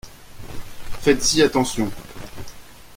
Faites-y attention.